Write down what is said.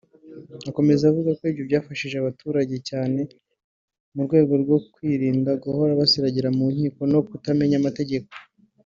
Akomeza avuga ko ibyo byafashije abaturage cyane mu rwego rwo kwirinda guhora basiragira ku nkiko no kutamenya amategeko